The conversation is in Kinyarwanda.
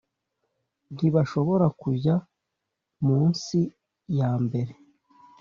ntibashobora kujya mu nsi ya mbere